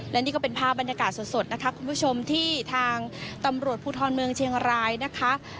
และนี่ก็เป็นภาพบรรยากาศสดนะคะคุณผู้ชมที่ทางตำรวจภูทรเมืองเชียงรายนะคะ